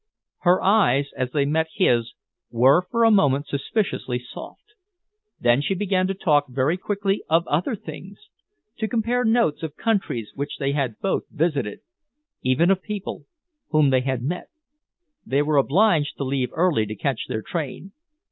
Her eyes, as they met his, were for a moment suspiciously soft. Then she began to talk very quickly of other things, to compare notes of countries which they had both visited, even of people whom they had met. They were obliged to leave early to catch their train.